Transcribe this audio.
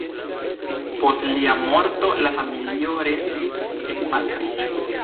Post lia morto la familio restis en malriĉo.